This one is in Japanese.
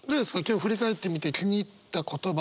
今日振り返ってみて気に入った言葉。